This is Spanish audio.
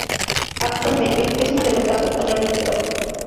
Actualmente es una de los Santos Patronos de Europa.